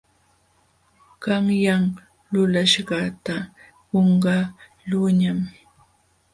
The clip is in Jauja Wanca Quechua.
Qanyan lulaśhqata qunqaqluuñam.